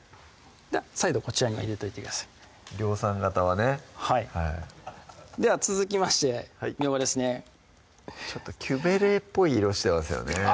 再度こちらに入れといてください量産型はねはいでは続きましてみょうがですねちょっとキュベレイっぽい色してますよね